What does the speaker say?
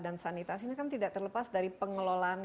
dan sanitasi ini kan tidak terlepas dari pengelolaan